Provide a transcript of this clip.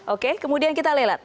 oke kemudian kita lihat